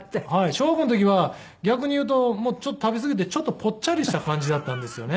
小学校の時は逆にいうとちょっと食べすぎてちょっとぽっちゃりした感じだったんですよね。